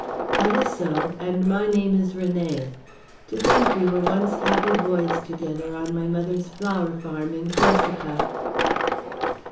"That is so, and my name is René. To think we were once happy boys together on my mother's flower farm in Corsica!"